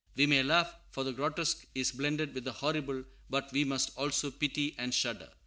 We may laugh, for the grotesque is blended with the horrible; but we must also pity and shudder.